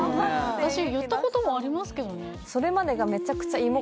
私言ったこともありますけどね